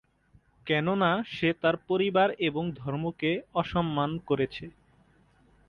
কেননা সে তার পরিবার এবং ধর্মকে অসম্মান করেছে।